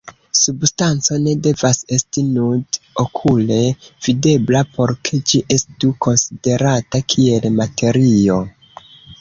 Substanco ne devas esti nud-okule videbla por ke ĝi estu konsiderata kiel materio.